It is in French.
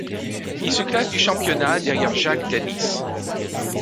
Il se classe du championnat, derrière Jake Dennis.